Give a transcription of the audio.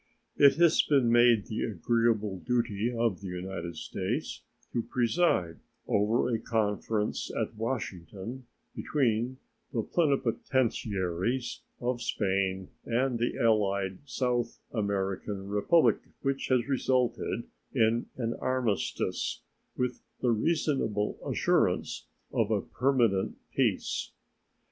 It has been made the agreeable duty of the United States to preside over a conference at Washington between the plenipotentiaries of Spain and the allied South American Republics, which has resulted in an armistice, with the reasonable assurance of a permanent peace.